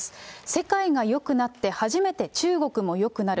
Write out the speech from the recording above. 世界がよくなって初めて中国もよくなる。